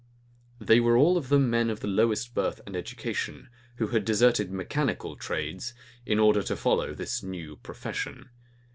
[*] They were all of them men of the lowest birth and education, who had deserted mechanical trades, in order to follow this new profession.